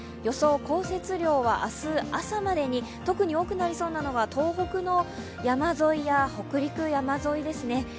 予想降雪量は明日朝までに、特に多くなりそうなのが東北の山沿いや北陸山沿いですね。